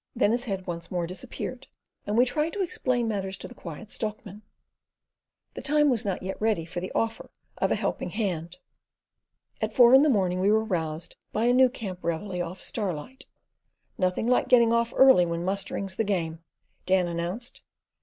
Then his head once more disappeared, and we tried to explain matters to the Quiet Stockman. The time was not yet ready for the offer of a helping hand. At four in the morning we were roused by a new camp reveille of Star light. "Nothing like getting off early when mustering's the game," Dan announced.